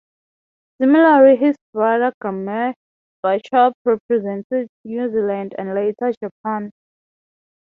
Similarly his brother Graeme Bachop represented New Zealand and later Japan.